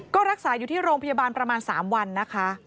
ก็รักษาอยู่ที่โรงพยาบาลประมาณ๓วันนะคะ